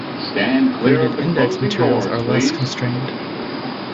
Graded-index materials are less constrained.